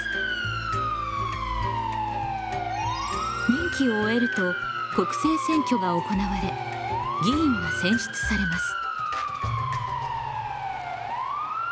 任期を終えると国政選挙が行われ議員が選出されます。